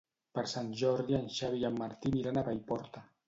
Per Sant Jordi en Xavi i en Martí aniran a Paiporta.